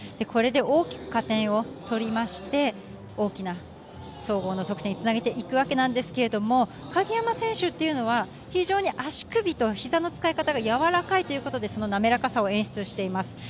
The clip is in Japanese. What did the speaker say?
これで大きく加点を取りまして、大きな総合得点につなげていくわけですけど、鍵山選手というのは非常に足首と膝の使い方がやわらかいということでその滑らかさを演出しています。